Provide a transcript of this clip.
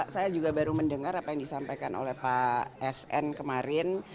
saya juga baru mendengar apa yang disampaikan oleh pak sn kemarin